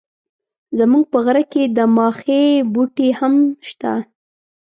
زموږ په غره کي د ماخۍ بوټي هم سته.